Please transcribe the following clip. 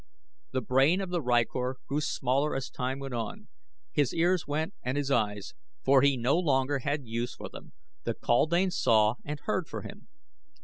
The brain of the rykor grew smaller as time went on. His ears went and his eyes, for he no longer had use for them the kaldane saw and heard for him.